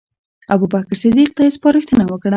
ابوبکر صدیق ته یې سپارښتنه وکړه.